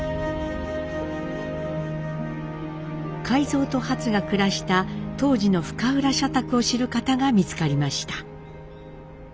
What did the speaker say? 海蔵とハツが暮らした当時の深浦社宅を知る方が見つかりました。